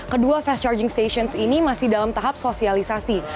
kedua fast charging stations ini masih dalam tahap sosialisasi